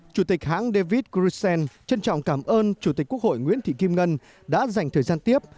chủ tịch hãng david krisen trân trọng cảm ơn chủ tịch quốc hội nguyễn thị kim ngân đã dành thời gian tiếp